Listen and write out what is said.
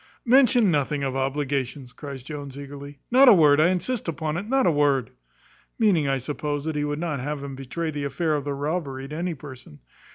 "Mention nothing of obligations," cries Jones eagerly; "not a word, I insist upon it, not a word" (meaning, I suppose, that he would not have him betray the affair of the robbery to any person).